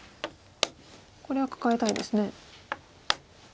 これはカカえたいですね。